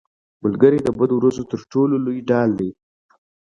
ملګری د بدو ورځو تر ټولو لویه ډال دی